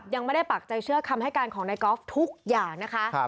ยังไม่ได้ปักใจเชื่อคำให้การของนายกอล์ฟทุกอย่างนะคะ